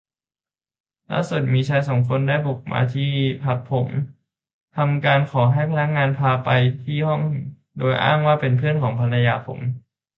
ล่าสุดมีชายสองคนได้บุกมาที่พักผม ทำการขอให้พนักงานพาไปที่ห้องโดยอ้างว่าเป็นเพื่อนของภรรยาผม